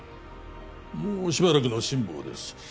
もうしばらくの辛抱です